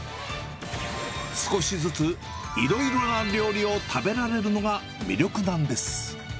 少しずついろいろな料理を食べられるのが魅力なんです。